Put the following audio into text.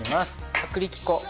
薄力粉。